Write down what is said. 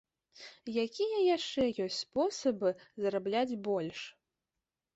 Якія яшчэ ёсць спосабы зарабляць больш?